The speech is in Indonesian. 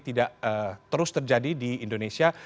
tidak terus terjadi di indonesia